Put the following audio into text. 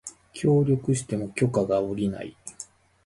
協力しても許可が降りない